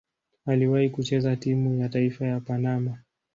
Aliwahi kucheza timu ya taifa ya Panama.